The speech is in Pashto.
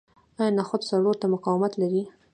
آیا نخود سړو ته مقاومت لري؟